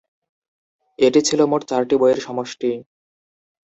এটি ছিলো মোট চারটি বইয়ের সমষ্টি।